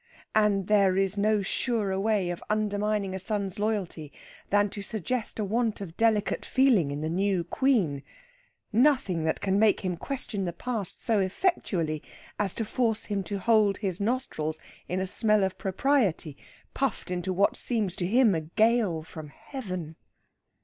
And there is no surer way of undermining a son's loyalty than to suggest a want of delicate feeling in the new Queen nothing that can make him question the past so effectually as to force him to hold his nostrils in a smell of propriety, puffed into what seems to him a gale from heaven.